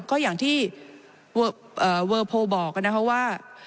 ก็อย่างที่โวลด์โภว์บ๊อกนะครับว่า